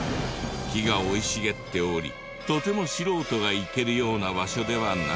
木が生い茂っておりとても素人が行けるような場所ではない。